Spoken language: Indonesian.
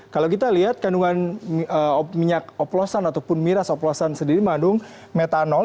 kalau kita lihat kandungan minyak oplosan ataupun miras oplosan sendiri mengandung metanol